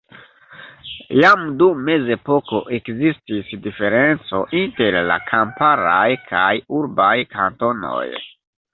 Jam dum Mezepoko ekzistis diferenco inter la kamparaj kaj urbaj kantonoj.